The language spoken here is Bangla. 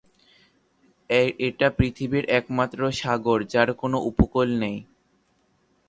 এটা পৃথিবীর একমাত্র 'সাগর' যার কোনো উপকূল নেই।